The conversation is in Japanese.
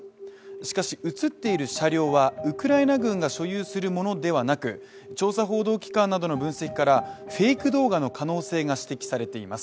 しかし、映っている車両はウクライナ軍が所有するものではなく、調査報道機関などの分析からフェイク動画の可能性が指摘されています。